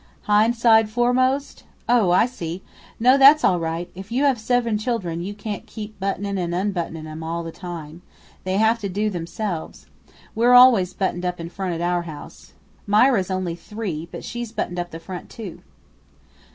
"Hind side foremost? Oh, I see! No, that's all right. If you have seven children you can't keep buttonin' and unbuttonin' 'em all the time they have to do themselves. We're always buttoned up in front at our house. Mira's only three, but she's buttoned up in front, too."